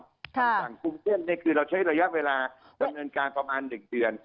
คนฟังคูมศึนนี่คือเราใช้ระยะเวลาประมาณหนึ่งเดือน